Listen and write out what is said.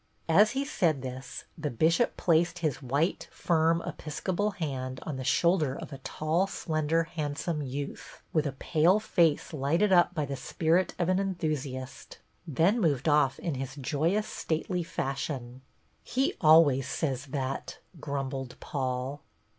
As he said this, the Bishop placed his white, firm. Episcopal hand on the shoulder of a tall, slender, handsome youth, with a pale face lighted ujj by the spirit of an enthusiast, then moved off in his joyous, stately fashion. THE PLAY 149 " He always says that," grumbled Paul.